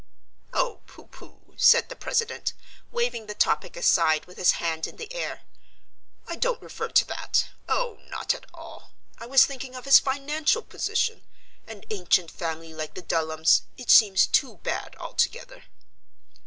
"Oh, pooh, pooh!" said the president, waving the topic aside with his hand in the air; "I don't refer to that. Oh, not at all. I was thinking of his financial position an ancient family like the Dulhams; it seems too bad altogether."